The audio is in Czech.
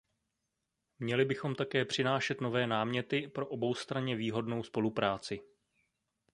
Měli bychom také přinášet nové náměty pro oboustranně výhodnou spolupráci.